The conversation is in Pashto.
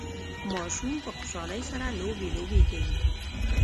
ماشوم په خوشحالۍ سره لوبي لوبې کوي